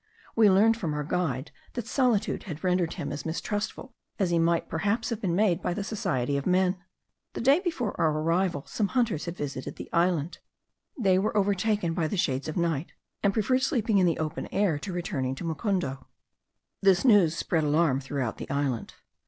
We learned from our guide, that solitude had rendered him as mistrustful as he might perhaps have been made by the society of men. The day before our arrival, some hunters had visited the island. They were overtaken by the shades of night; and preferred sleeping in the open air to returning to Mocundo. This news spread alarm throughout the island.